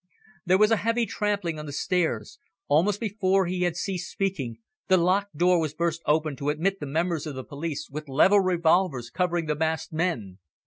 There was a heavy trampling on the stairs. Almost before he had ceased speaking, the locked door was burst open to admit the members of the police, with levelled revolvers covering the masked men.